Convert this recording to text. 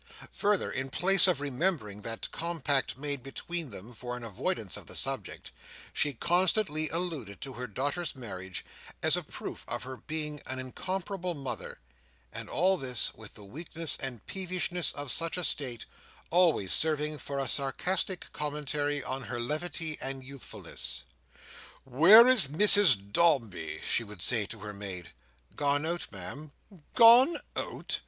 Further, in place of remembering that compact made between them for an avoidance of the subject, she constantly alluded to her daughter's marriage as a proof of her being an incomparable mother; and all this, with the weakness and peevishness of such a state, always serving for a sarcastic commentary on her levity and youthfulness. "Where is Mrs Dombey?" she would say to her maid. "Gone out, Ma'am." "Gone out!